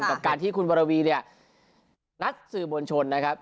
กับการที่คุณวรวีนักสื่อบนชน